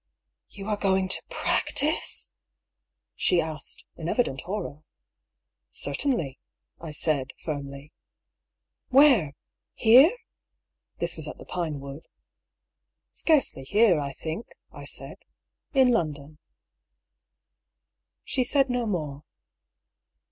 " You are going to practise f " she asked, in evident horror. " Certainly," I said, firmly. " Where ? Here ?" (This was at the Pine wood.) " Scarcely here, I think," I said. " In London." She said no more.